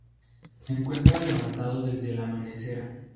se encuentra levantado desde el amanecer